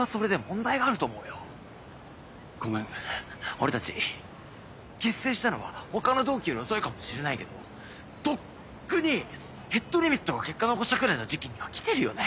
俺たち結成したのは他の同期より遅いかもしれないけどとっくにヘッドリミットが結果残したぐらいの時期にはきてるよね？